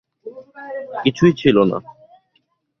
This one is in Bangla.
কিছুই ছিল না।